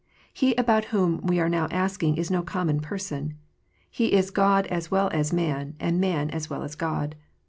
He about whom we are now asking is no common person. He is God as well as man, and man as well as God.